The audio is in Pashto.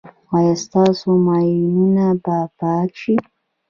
ایا ستاسو ماینونه به پاک شي؟